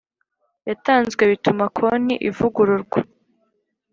Yatanzwe bituma konti ivugururwa